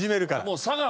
もう佐賀